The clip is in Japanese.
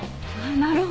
なるほど。